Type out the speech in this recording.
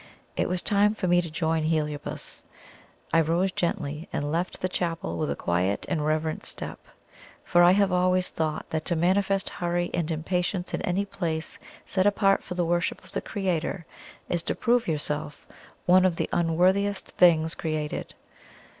It was time for me to join Heliobas. I rose gently, and left the chapel with a quiet and reverent step, for I have always thought that to manifest hurry and impatience in any place set apart for the worship of the Creator is to prove yourself one of the unworthiest things created.